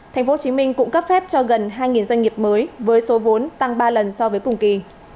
tp hcm cũng cấp phép cho gần hai doanh nghiệp mới với số vốn tăng ba lần so với cùng kỳ